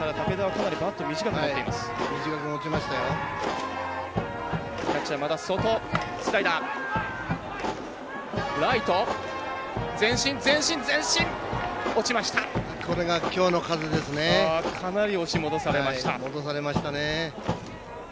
かなり押し戻されました。